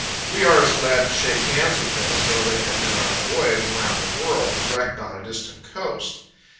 We are as glad to shake hands with them as though they had been on a voyage around the world and wrecked on a distant coast.